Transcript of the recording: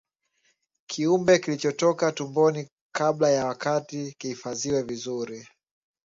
Kiumbe kilichotoka tumboni kabla ya wakati kihifadhiwe vizuri